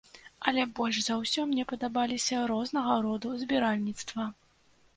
Але больш за ўсё мне падабаліся рознага роду збіральніцтва.